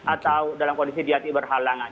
atau dalam kondisi dia berhalangan